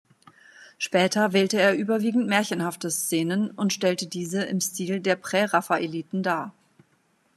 Später wählte er überwiegend märchenhafte Szenen und stellte diese im Stil der Präraffaeliten dar.